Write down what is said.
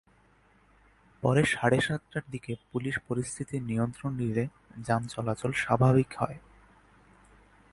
পরে সাড়ে সাতটার দিকে পুলিশ পরিস্থিতির নিয়ন্ত্রণ নিলে যান চলাচল স্বাভাবিক হয়।